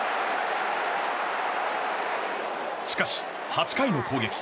しかし、８回の攻撃。